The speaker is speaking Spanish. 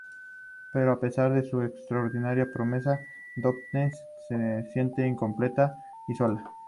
Pero a pesar de su extraordinaria promesa, Daphne se siente incompleta y sola.